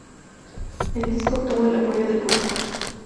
El disco obtuvo el apoyo del público.